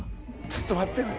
ちょっと待って。